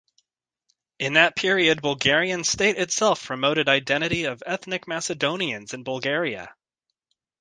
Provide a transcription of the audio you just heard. In that period Bulgarian state itself promoted identity of ethnic Macedonians in Bulgaria.